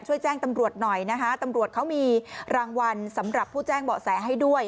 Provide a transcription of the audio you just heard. ช่วยแจ้งตำรวจหน่อยนะคะตำรวจเขามีรางวัลสำหรับผู้แจ้งเบาะแสให้ด้วย